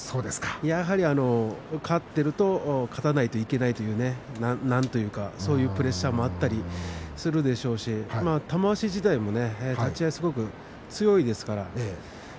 やはり勝ってると勝たないといけないというなんというか、そういうプレッシャーもあったりするでしょうし玉鷲自体も立ち合いすごく強いですからね。